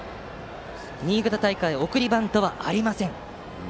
新潟大会送りバントはありません。